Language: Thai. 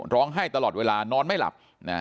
ร้องไห้ตลอดเวลานอนไม่หลับ